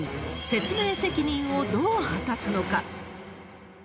説明責任をどう果たすのか。